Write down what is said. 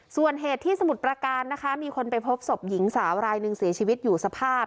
ส่วนเหตุที่สมุทรประการนะคะมีคนไปพบศพหญิงสาวรายหนึ่งเสียชีวิตอยู่สภาพ